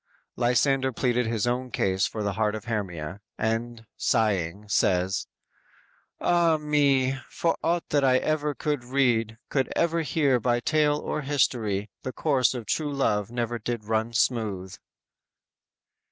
Lysander pleaded his own case for the heart of Hermia, and sighing, says: _"Ah, me! for aught that I could ever read, Could ever hear by tale or history, The course of true love never did run smooth!"